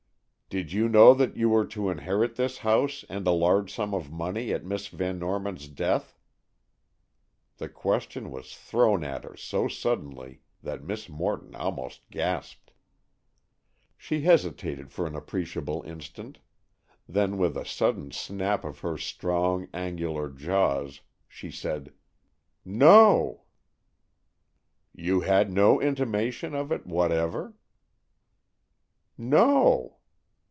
"Did you know that you were to inherit this house and a large sum of money at Miss Van Norman's death?" The question was thrown at her so suddenly that Miss Morton almost gasped. She hesitated for an appreciable instant, then with a sudden snap of her strong, angular jaw, she said, "No!" "You had no intimation of it whatever?" "No."